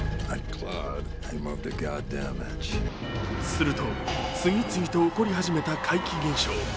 すると、次々と起こり始めた怪奇現象。